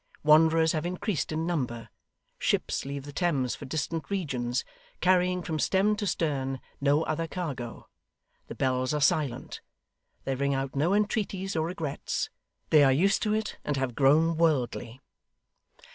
Wanderers have increased in number; ships leave the Thames for distant regions, carrying from stem to stern no other cargo; the bells are silent; they ring out no entreaties or regrets; they are used to it and have grown worldly.